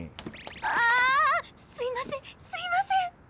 あすいませんすいません！